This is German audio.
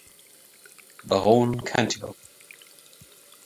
Baron Cantilupe.